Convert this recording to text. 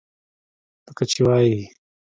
لکه چې وائي ۔